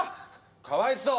かわいそう！